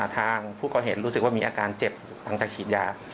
ทางผู้ก่อเหตุรู้สึกว่ามีอาการเจ็บหลังจากฉีดยา